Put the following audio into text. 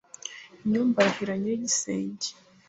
inyumba arahira nyiri igisenge